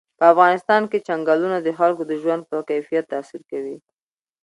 په افغانستان کې چنګلونه د خلکو د ژوند په کیفیت تاثیر کوي.